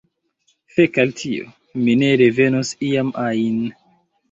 Fek al tio, mi ne revenos iam ajn!